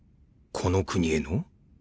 この国への？